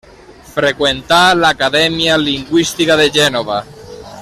Freqüentà l'Acadèmia Lingüística de Gènova.